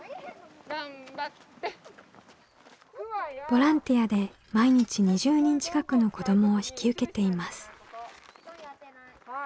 ボランティアで毎日２０人近くの子どもを引き受けています。